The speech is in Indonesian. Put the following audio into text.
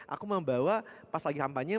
aku membawa pas lagi kampanye